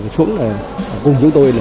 xuống cùng chúng tôi